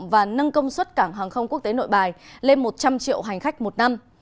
và nâng công suất cảng hàng không quốc tế nội bài lên một trăm linh triệu hành khách một năm